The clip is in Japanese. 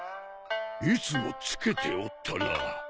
いつも着けておったな。